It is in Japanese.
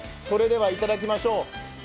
それではいただきましょう。